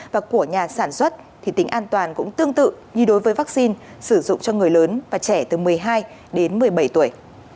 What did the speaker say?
và của nhà sản xuất thì tính an toàn cũng tương tự như đối với vaccine sử dụng cho người lớn và trẻ từ một mươi hai đến một mươi bảy tuổi